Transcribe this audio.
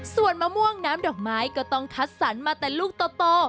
ส่วนมะม่วงน้ำดอกไม้ก็ต้องคัดสรรมาแต่ลูกโต